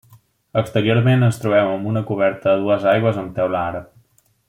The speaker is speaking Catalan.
Exteriorment ens trobem amb una coberta a dues aigües amb teula àrab.